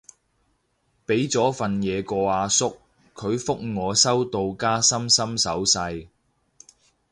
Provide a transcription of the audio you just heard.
畀咗份嘢個阿叔，佢覆我收到加心心手勢